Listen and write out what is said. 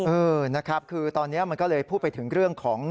เออนะครับคือตอนนี้มันก็เลยพูดไปถึงเรื่องของ